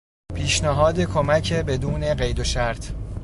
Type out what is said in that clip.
پیشنهاد کمک بدون قید و شرط